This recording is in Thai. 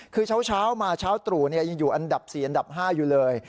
คือเช้ามาเช้าตรู่ยังอยู่อันดับ๔อันดับ๕อยู่เลย